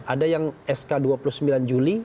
ada yang sk dua puluh sembilan juli